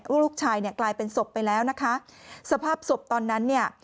ลูกชายเนี่ยกลายเป็นศพไปแล้วนะคะสภาพศพตอนนั้นเนี่ย